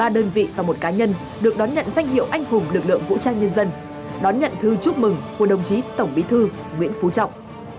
ba đơn vị và một cá nhân được đón nhận danh hiệu anh hùng lực lượng vũ trang nhân dân đón nhận thư chúc mừng của đồng chí tổng bí thư nguyễn phú trọng